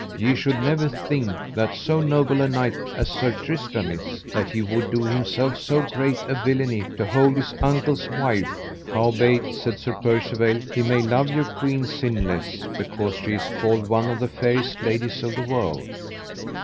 Ye should never think that so noble a knight as Sir Tristram is, that he would do himself so great a villainy to hold his uncle's wife; howbeit, said Sir Percivale, he may love your queen sinless, because she is called one of the fairest ladies of the world.